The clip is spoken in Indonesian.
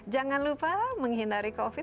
jangan lupa menghindari covid sembilan belas